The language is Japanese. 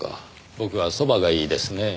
僕はそばがいいですねぇ。